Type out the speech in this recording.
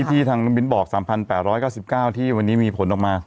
ตรงที่ทางบิ๊นบอก๓๘๙๙ที่วันนี้มีผลออกมา